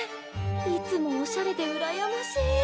いつもオシャレでうらやましい！